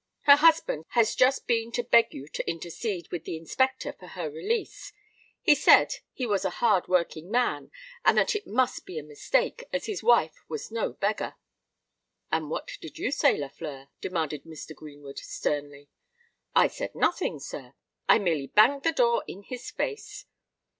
"Her husband has just been to beg you to intercede with the Inspector for her release. He said he was a hard working man, and that it must be a mistake, as his wife was no beggar." "And what did you say, Lafleur?" demanded Mr. Greenwood, sternly. "I said nothing, sir: I merely banged the door in his face."